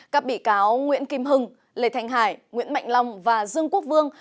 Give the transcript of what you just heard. các bị cáo nguyễn kim hưng lê thành hải nguyễn mạnh long và dương quốc vương